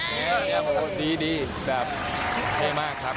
ดีแบบเท่มากครับ